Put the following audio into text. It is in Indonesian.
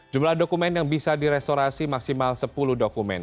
jumlah dokumen yang bisa direstorasi maksimal sepuluh dokumen